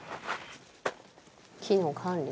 「木の管理。